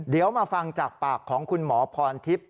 เดี๋ยวมาฟังจากปากของคุณหมอพรทิพย์